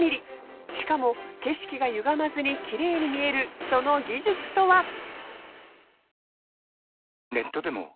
しかも景色がゆがまずにきれいに見えるその技術とは？